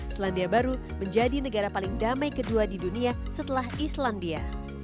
selandia baru menjadi negara paling damai kedua di dunia setelah islandia